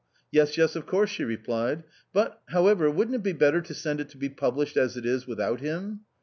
" Yes, yes, of course, she replied," but, however, wouldn't it be better to send it to be published as it is without him